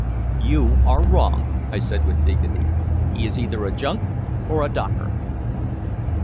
"You are wrong," I said with dignity. "He is either a Junk or a Docker."